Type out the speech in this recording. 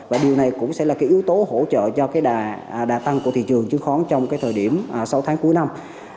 và điều này cũng sẽ là yếu tố hỗ trợ cho đà tăng của thị trường chứng khoán trong thời điểm sau tháng cuối năm